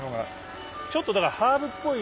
ちょっとだからハーブっぽい。